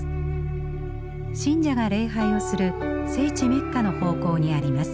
信者が礼拝をする聖地メッカの方向にあります。